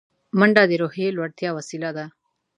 منډه د روحیې لوړتیا وسیله ده